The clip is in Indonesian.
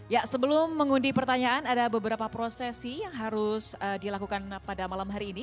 ya sebelum mengundi pertanyaan ada beberapa prosesi yang harus dilakukan pada malam hari ini